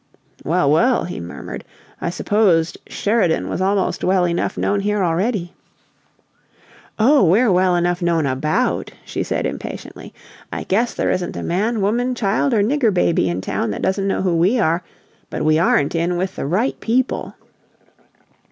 "Well, well," he murmured. "I supposed 'Sheridan' was almost well enough known here already." "Oh, we're well enough known ABOUT!" she said, impatiently. "I guess there isn't a man, woman, child, or nigger baby in town that doesn't know who we are. But we aren't in with the right people."